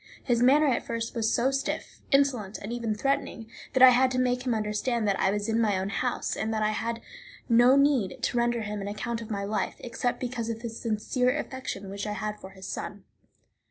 His manner at first was so stiff, insolent, and even threatening, that I had to make him understand that I was in my own house, and that I had no need to render him an account of my life, except because of the sincere affection which I had for his son.